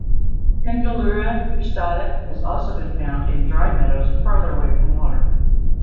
"Condylura cristata" has also been found in dry meadows farther away from water.